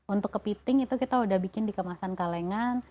untuk kepiting itu kita sudah bikin dikemasan kalengan